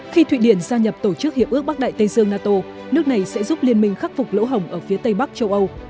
khi thụy điển gia nhập tổ chức hiệp ước bắc đại tây dương nato nước này sẽ giúp liên minh khắc phục lỗ hồng ở phía tây bắc châu âu